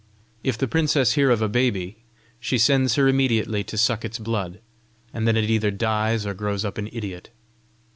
If the princess hear of a baby, she sends her immediately to suck its blood, and then it either dies or grows up an idiot.